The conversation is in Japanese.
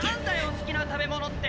好きな食べ物って。